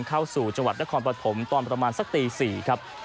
เข้าสู่จังหวัดนครปฐมตอนประมาณสักตี๔ครับ